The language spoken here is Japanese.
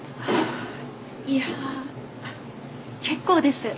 いや結構です。